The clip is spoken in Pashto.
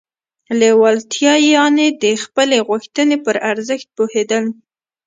لېوالتیا يانې د خپلې غوښتنې پر ارزښت پوهېدل.